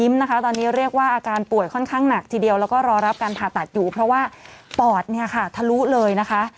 ปอดเนี่ยค่ะทะลุเลยนะคะ